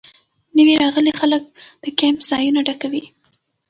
نوي راغلي خلک د کیمپ ځایونه ډکوي